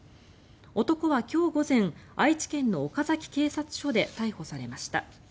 男は今日午前愛知県の岡崎警察署で逮捕されました。